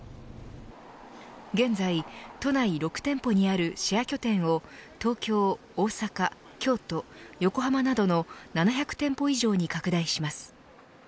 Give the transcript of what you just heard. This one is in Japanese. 現在都内６店舗にあるシェア拠点を東京、大阪、京都、横浜などの７００店舗以上に拡大します。